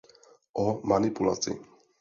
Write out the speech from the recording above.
O manipulaci.